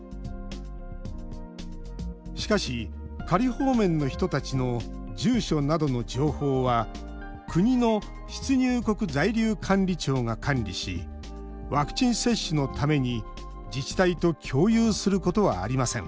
しかし、仮放免の人たちの住所などの情報は国の出入国在留管理庁が管理しワクチン接種のために自治体と共有することはありません。